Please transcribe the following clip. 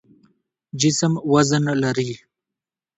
جسم وزن لري.